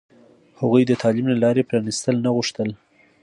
هغوی د تعلیم د لارې پرانستل نه غوښتل.